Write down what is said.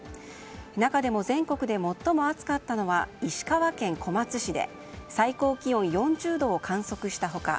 中でも全国で最も暑かったのは石川県小松市で最高気温４０度を観測した他